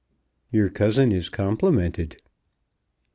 "Your cousin is complimented."